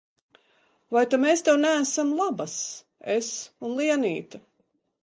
Vai ta mēs tev neesam labas, es un Lienīte?